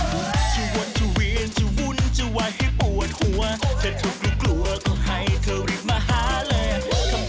เมื่อกี้เธอหลีบมาหาแรียต้องเป็นลีหลาบังแร้วจะยังจะทำอย่างเชิง